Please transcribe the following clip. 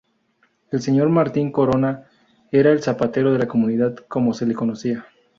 El Señor Martín Corona era el zapatero de la comunidad como se le conocía.